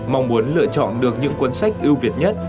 mong muốn lựa chọn được những cuốn sách ưu việt nhất